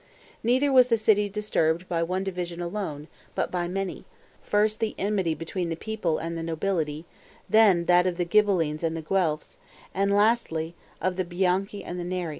Neither was the city disturbed with one division alone, but by many; first the enmity between the people and the nobility, then that of the Ghibellines and the Guelphs, and lastly, of the Bianchi and the Neri.